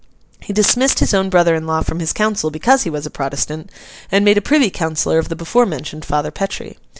He dismissed his own brother in law from his Council because he was a Protestant, and made a Privy Councillor of the before mentioned Father Petre.